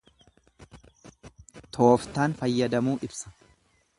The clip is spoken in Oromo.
Tooftaan fayyadamuu ibsa.